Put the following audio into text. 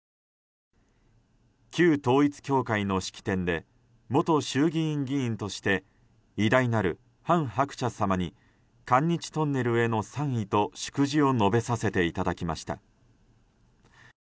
旧統一教会の式典で元衆議院議員として偉大なる韓鶴子様に韓日トンネルへの賛意と祝辞を述べさせていただきました。